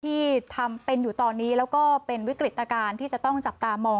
ที่ทำเป็นอยู่ตอนนี้แล้วก็เป็นวิกฤตการณ์ที่จะต้องจับตามอง